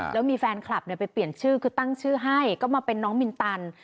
แล้วมีแฟนคลับเปลี่ยนชื่อตั้งชื่อให้ก็ใบน้องมิลตัน